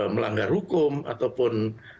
melanggar hukum ataupun